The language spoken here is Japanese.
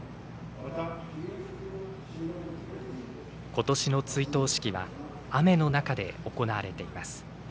ことしの追悼式は雨の中で行われています。